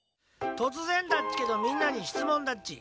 とつぜんだっちけどみんなにしつもんだっち。